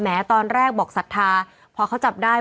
ตอนแรกบอกศรัทธาพอเขาจับได้